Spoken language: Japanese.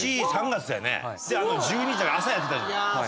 １２時だから朝やってたじゃん。